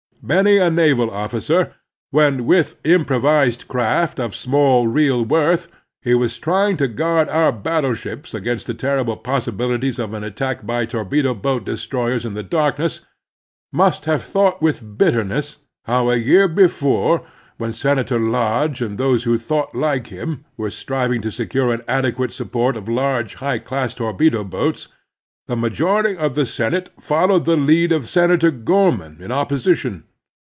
Many a naval officer, when with improvised craft of small real worth he was trying to guard our battle ships against the terrible possibilities of an attack by torpedo boat destroyers in the darkness, must have thought with bitterness how a year before, 172 The Strenuous Life when Senator Lcxige and those who thought like him were striving to secure an adequate support of large, high class torpedo boats, the majority of the Senate followed the lead of Senator Gk)rman in opposition.